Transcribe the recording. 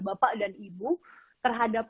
bapak dan ibu terhadap